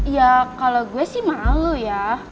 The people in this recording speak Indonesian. ya kalau gue sih malu ya